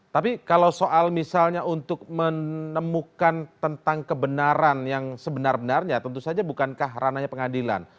tapi kalau soal misalnya untuk menemukan tentang kebenaran yang sebenar benarnya tentu saja bukankah ranahnya pengadilan